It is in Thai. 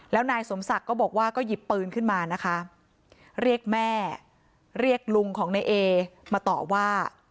แล้วนายสมศักดิ์ก็บอกว่าก็หยิบปืนขึ้นมานะคะเรียกแม่เรียกลุงของนายเอมาต่อว่า